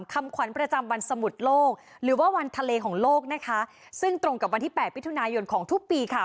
คำขวัญประจำวันสมุทรโลกหรือว่าวันทะเลของโลกนะคะซึ่งตรงกับวันที่แปดมิถุนายนของทุกปีค่ะ